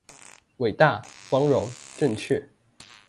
偉大、光榮、正確